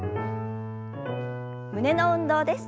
胸の運動です。